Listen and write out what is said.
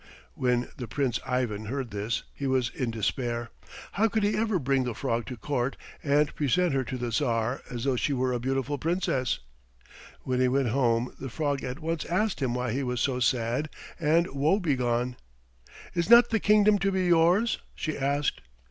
When the Prince Ivan heard this he was in despair. How could he ever bring the frog to court and present her to the Tsar as though she were a beautiful Princess? When he went home the frog at once asked him why he was so sad and woebegone. "Is not the kingdom to be yours?" she asked.